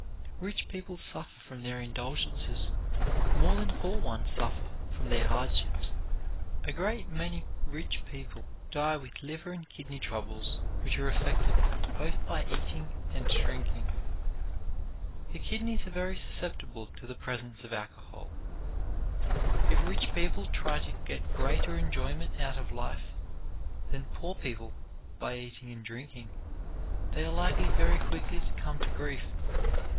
Rich people suffer from their indulgences more than poor ones suffer from their hardships. A great many rich people die with liver and kidney troubles which are effected both by eating and drinking. The kidneys are very susceptible to the presence of alcohol. If rich people try to get greater enjoyment out of life than poor people by eating and drinking, they are likely very quickly to come to grief.